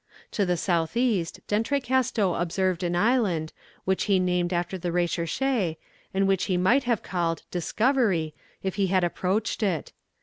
] To the south east D'Entrecasteaux observed an island, which he named after the Recherche, and which he might have called Discovery if he had approached it.